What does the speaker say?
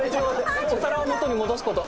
お皿を元に戻すこと。